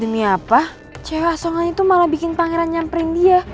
ini apa cewek itu malah bikin pangeran nyamperin dia